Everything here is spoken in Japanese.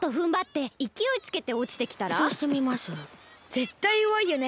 ぜったいよわいよね。